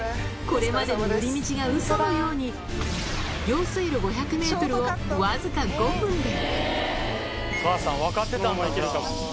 これまでの寄り道がうそのように、用水路５００メートルを僅か５分で。